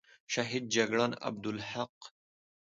شهید جگړن عبدالحق،